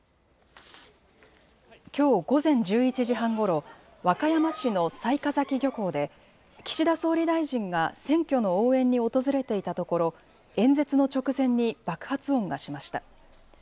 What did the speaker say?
きょう午前１１時半ごろ、和歌山市の雑賀崎漁港で岸田総理大臣が選挙の応援に訪れていたところ演説の直前に爆発音がしました。